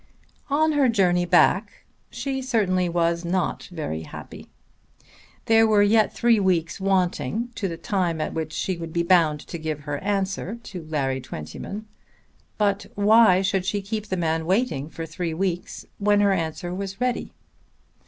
On her journey back she certainly was not very happy. There were yet three weeks wanting to the time at which she would be bound to give her answer to Larry Twentyman; but why should she keep the man waiting for three weeks when her answer was ready?